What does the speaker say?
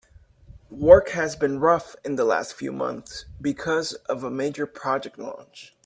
Work has been rough in the last few months because of a major project launch.